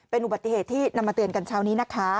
เป็นอุบัติเหตุที่นำมาเตือนกันเช้านี้นะคะ